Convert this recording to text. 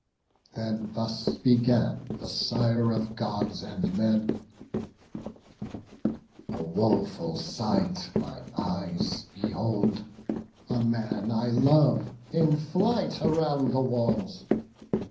Then thus began the Sire of Gods and men: "A woful sight mine eyes behold; a man I love in flight around the walls!